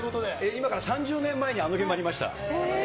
今から３０年前に、あの現場にいました。